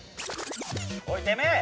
◆おいてめえ！